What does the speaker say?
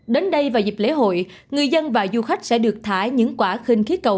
đến đây vào dịp lễ hội người dân và du khách sẽ được thả những quả khinh khí cầu